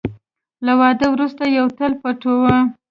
له واده وروسته یوه تل پټوه .